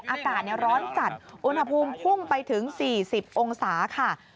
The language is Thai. อากาศร้อนจัดอุณหภูมิพุ่งไปถึง๔๐องศาค่ะ